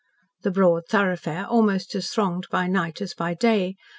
The broad thoroughfare almost as thronged by night as by day.